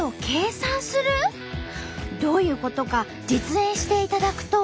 どういうことか実演していただくと。